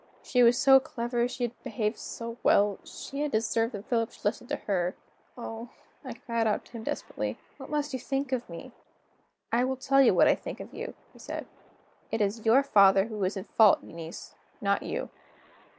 She was so clever, she had behaved so well, she had deserved that Philip should listen to her. "Oh," I cried out to him desperately, "what must you think of me?" "I will tell you what I think of you," he said. "It is your father who is in fault, Eunice not you.